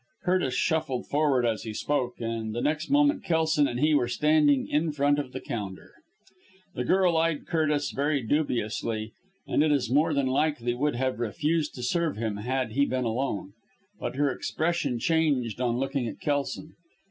Curtis shuffled forward as he spoke, and the next moment Kelson and he were standing in front of the counter. The girl eyed Curtis very dubiously and it is more than likely would have refused to serve him had he been alone. But her expression changed on looking at Kelson.